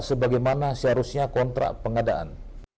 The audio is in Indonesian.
sebagaimana seharusnya kontrak pengadaan